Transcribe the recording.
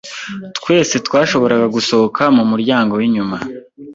Twese twashoboraga gusohoka mu muryango w'inyuma